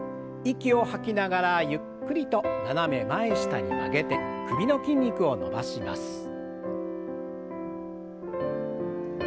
息を吐きながらゆっくりと斜め前下に曲げて首の筋肉を伸ばします。